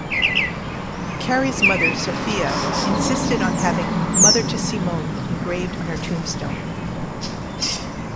Carrie's mother, Sophia, insisted on having "mother to Simone" engraved on her tombstone.